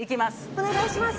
お願いします！